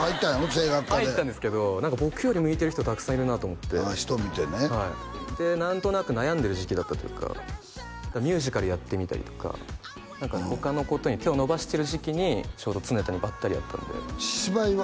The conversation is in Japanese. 声楽科で入ったんですけど何か僕より向いてる人たくさんいるなと思ってああ人見てねはいで何となく悩んでる時期だったというかミュージカルやってみたりとか何か他のことに手をのばしてる時期にちょうど常田にばったり会ったんで芝居は？